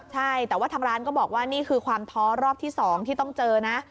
ใช่แต่ว่าทางร้านก็บอกว่านี่คือความท้อรอบที่๒ที่ต้องเจอนะ